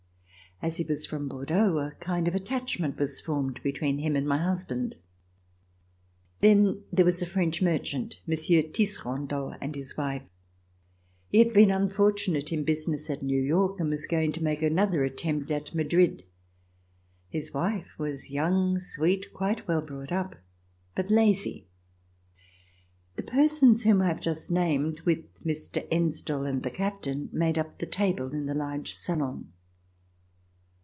As he was from Bordeaux, a kind of attachment was formed between him and my husband. Then there was a French merchant. Monsieur Tisserandot, and his wife. He had been unfortunate in business at New York and was, going to make another attempt at Madrid. His wife was young, sweet, quite well brought up, but lazy. The persons whom I have just named, with Mr. Ensdel and the captain, made up the table in the large salon.